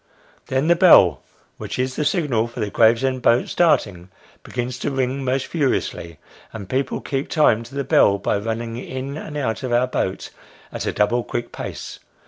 Then the bell, which is the signal for the Gravesend boat starting, begins to ring most furiously : and people keep time to the bell, by running in and out of our boat at a double quick pace.